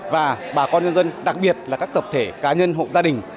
và bà con nhân dân đặc biệt là các tập thể cá nhân hộ gia đình